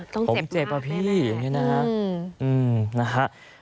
ต้องเจ็บมากเลยนะครับอืมนะฮะผมเจ็บอะพี่อย่างนี้นะฮะ